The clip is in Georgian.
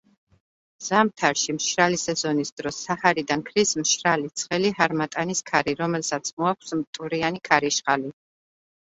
ზამთარში, მშრალი სეზონის დროს საჰარიდან ქრის მშრალი, ცხელი ჰარმატანის ქარი, რომელსაც მოაქვს მტვრიანი ქარიშხალი.